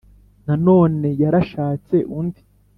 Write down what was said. Nanone yari yarashatse undi